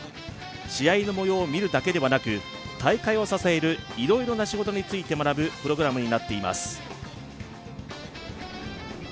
試合の模様を見るだけでなく大会を支えるいろいろな仕事についても学ぶプログラムになっています。